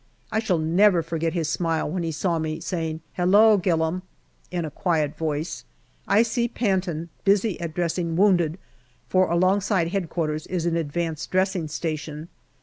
I shall never forget his smile when he saw me, saying " Hello, Gillam !" in a quiet voice. I see Panton busy at dressing wounded, for alongside H.Q. is an advanced dressing station.